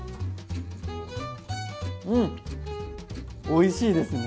うんおいしいですね！